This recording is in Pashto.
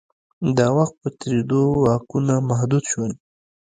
د وخت په تېرېدو واکونه محدود شول.